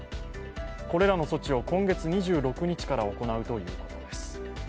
これらの措置を今月２６日から行うということです。